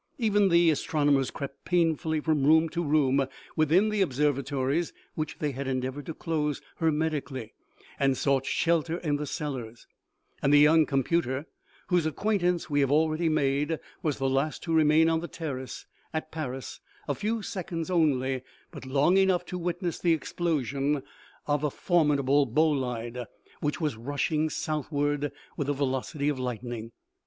Even the astron omers crept painfully from room to room within the ob servatories which they had endeavored to close hermeti cally, and sought shelter in the cellars ; and the young computer, whose acquaintance we have already made, was the last to remain on the terrace, at Paris, a few seconds only, but long enough to witness the explosion of a for OMEGA . midable bolide, which was rushing southward with the velocity of lightning.